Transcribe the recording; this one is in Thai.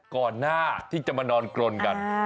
ก่อนหน้าที่จะมานอนกรนกัน